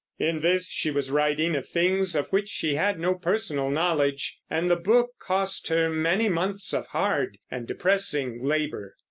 In this she was writing of things of which she had no personal knowledge, and the book cost her many months of hard and depressing labor.